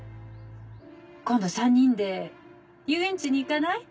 今度３人で遊園地に行かない？